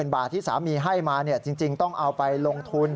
บาทที่สามีให้มาจริงต้องเอาไปลงทุน